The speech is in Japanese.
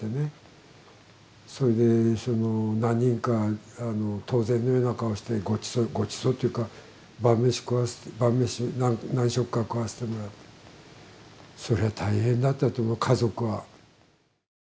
それで何人か当然のような顔をしてごちそうごちそうというか晩飯食わして晩飯何食か食わせてもらってそれは大変だったと思う家族は。